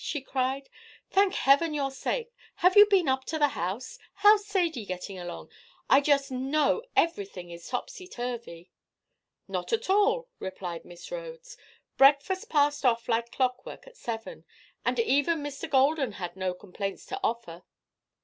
she cried. "Thank heaven you're safe. Have you been up to the house? How's Sadie getting along? I just know everything is topsyturvy." "Not at all," replied Miss Rhodes. "Breakfast passed off like clockwork at seven, and even Mr. Golden had no complaints to offer.